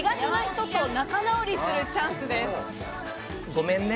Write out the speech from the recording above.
ごめんね。